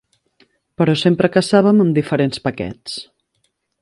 Però sempre caçàvem amb diferents paquets.